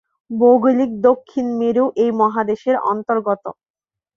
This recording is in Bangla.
ভৌগোলিক দক্ষিণ মেরু এই মহাদেশের অন্তর্গত।